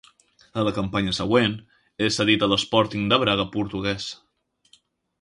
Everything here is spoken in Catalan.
A la campanya següent és cedit a l'Sporting de Braga portuguès.